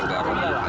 di jepang selalu ada